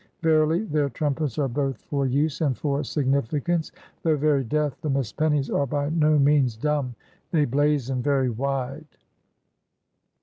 Verily, their trumpets are both for use and for significance. Though very deaf, the Miss Pennies are by no means dumb. They blazon very wide.